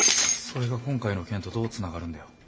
それが今回の件とどうつながるんだよ？